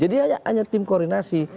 jadi hanya tim koordinasi